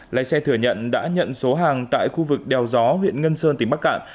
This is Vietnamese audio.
lái xe thừa nhận đã nhận số hàng tại khu vực đèo gió huyện ngân sơn tỉnh bắc cạn